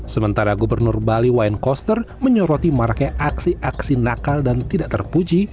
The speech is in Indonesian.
sementara gubernur bali wayne koster menyoroti maraknya aksi aksi nakal dan tidak terpuji